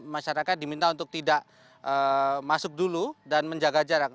masyarakat diminta untuk tidak masuk dulu dan menjaga jarak